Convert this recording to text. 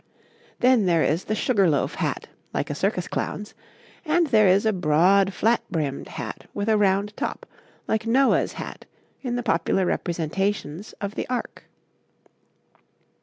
Then there is the sugar loaf hat, like a circus clown's, and there is a broad, flat brimmed hat with a round top, like Noah's hat in the popular representations of the Ark.